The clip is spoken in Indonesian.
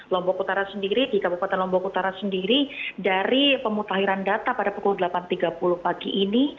lombok utara sendiri di kabupaten lombok utara sendiri dari pemutahiran data pada pukul delapan tiga puluh pagi ini